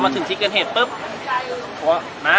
พอมาถึงที่เกิดเหตุปึ๊บอ๋อนะ